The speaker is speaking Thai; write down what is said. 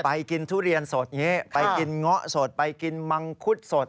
ไปกินทุเรียนสดไปกินเงาะสดไปกินมังคุดสด